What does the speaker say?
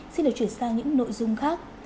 xin được chuyển sang những nội dung khác